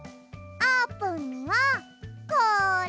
あーぷんにはこれ。